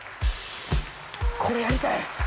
これやりたい！